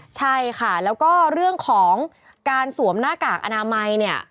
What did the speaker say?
ใช่ค่ะแล้วก็เรื่องของการสวมหน้ากากอนามัยเนี่ย